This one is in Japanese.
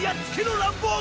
ランボーグ！